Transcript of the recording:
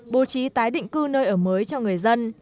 bố trí tái định cư nơi ở mới cho người dân